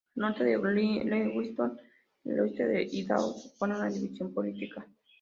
Al norte de Lewiston, el oeste de Idaho supone una división política.